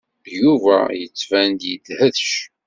Yuba yettban-d yedhec.